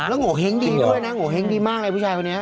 แล้วหัวเฮ้งดีด้วยนะหัวเฮ้งดีมากเลยพี่ชายคนนี้